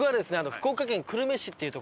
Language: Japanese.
福岡県久留米市っていう所。